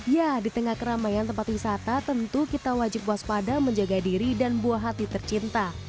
ya di tengah keramaian tempat wisata tentu kita wajib waspada menjaga diri dan buah hati tercinta